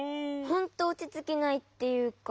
ほんとおちつきないっていうか。